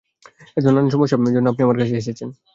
এতো সামান্য সমস্যা জন্য আপনি আমার কাছে আসেছেন?